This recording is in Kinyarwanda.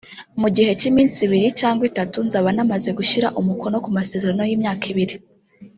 mu gihe cy’iminsi ibiri cyangwa itatu nzaba namaze gushyira umukono ku masezerano y’imyaka ibiri